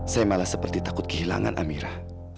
saya malah seperti takut kehilangan amirah